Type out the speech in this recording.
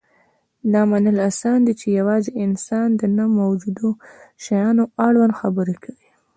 دا منل اسان دي، چې یواځې انسان د نه موجودو شیانو اړوند خبرې کوي.